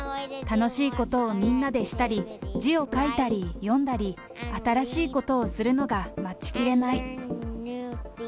楽しいことをみんなでしたり、字を書いたり、読んだり、新しいことをするのが待ちきれない。